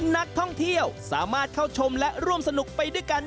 นักท่องเที่ยวสามารถเข้าชมและร่วมสนุกไปด้วยกัน